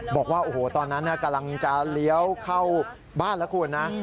บอกว่าโอ้โหตอนนั้นกำลังจะเลี้ยวเข้าบ้านแล้วคุณนะ